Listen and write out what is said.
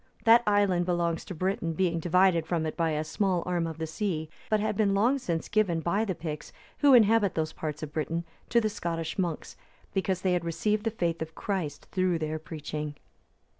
That island belongs to Britain, being divided from it by a small arm of the sea, but had been long since given by the Picts, who inhabit those parts of Britain, to the Scottish monks, because they had received the faith of Christ through their preaching.